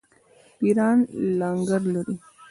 پیران لنګر لري.